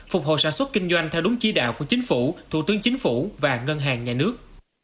phục hồi sản xuất kinh doanh theo đúng chỉ đạo của chính phủ thủ tướng chính phủ và ngân hàng nhà nước